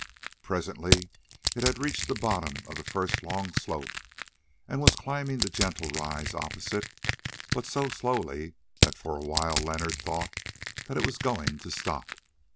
Presently it had reached the bottom of the first long slope and was climbing the gentle rise opposite, but so slowly that for a while Leonard thought that it was going to stop.